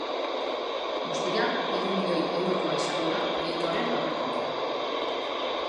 Guztira hiru milioi eurokoa izango da proiektuaren aurrekontua.